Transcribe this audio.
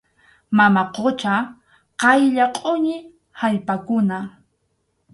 Mama qucha qaylla qʼuñi allpakuna.